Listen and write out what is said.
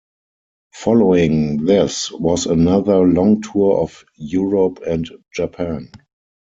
Following this was another long tour of Europe and Japan.